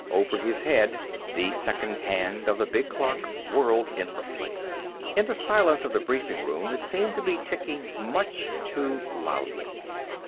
Over his head, the second hand of the big clock whirled endlessly. In the silence of the briefing room, it seemed to be ticking much too loudly.